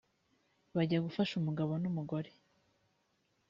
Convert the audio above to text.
bajya gufasha umugabo n’umugore